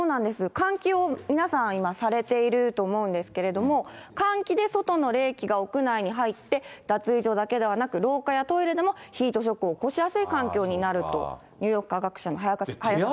換気を皆さん、今、されていると思うんですけれども、換気で外の冷気が屋内に入って、脱衣所だけではなく、廊下やトイレでもヒートショックを起こしやすい環境にあると、入浴科学者の早坂先生がおっしゃってます。